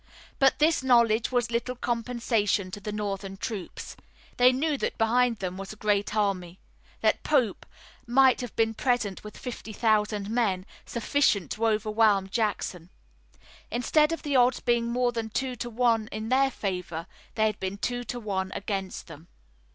But this knowledge was little compensation to the Northern troops. They knew that behind them was a great army, that Pope might have been present with fifty thousand men, sufficient to overwhelm Jackson. Instead of the odds being more than two to one in their favor, they had been two to one against them.